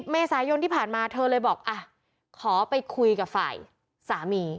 เมษายนที่ผ่านมาเธอเลยบอกขอไปคุยกับฝ่ายสามี